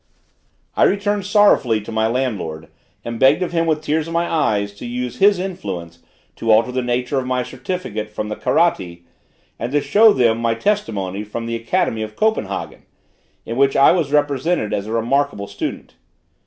I returned sorrowfully to my landlord, and begged of him with tears in my eyes, to use his influence to alter the nature of my certificate from the Karatti, and to show them my testimony from the academy of Copenhagen, in which I was represented as a remarkable student.